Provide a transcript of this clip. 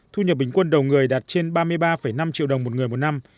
thu nhập bình quân đầu người đạt trên ba mươi ba năm triệu đồng một người một năm